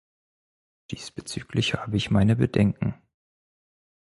Diesbezüglich habe ich meine Bedenken.